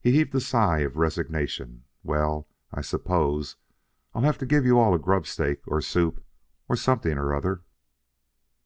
He heaved a sigh of resignation. "Well, I suppose I'll have to give you all a grub stake or soup, or something or other."